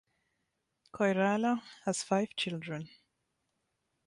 Koirala has five children.